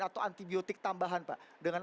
atau antibiotik tambahan pak dengan